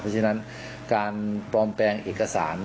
เพราะฉะนั้นการปลอมแปลงเอกสาร